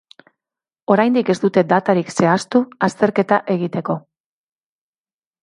Oraindik ez dute datarik zehaztu azterketa egiteko.